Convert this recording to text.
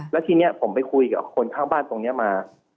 แล้วทีนี้ผมไปคุยกับคนข้างบ้านตรงนี้มา